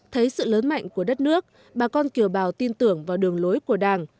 thấy sự lớn mạnh của đất nước bà con kiều bào tin tưởng vào đường lối của đảng